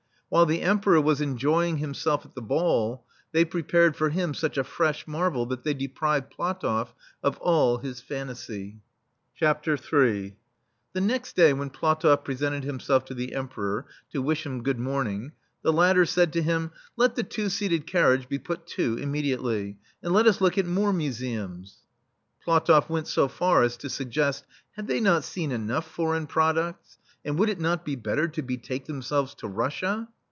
While the Emperor was enjoying him self at the ball, they prepared for him such a fresh marvel that they deprived PlatofF of all his fantasy. Ill The next day, when PlatofF presented himself to the Emperor to wish him good morning, the latter said to him: " Let the two seated carriage be put to immediately, and let us look at more museums. PlatofF went so far as to suggest: " Had they not seen enough foreign products, and would it not be better to betake themselves to Russia?"